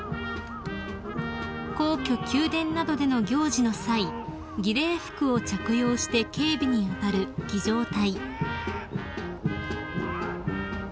［皇居宮殿などでの行事の際儀礼服を着用して警備に当たる儀仗隊］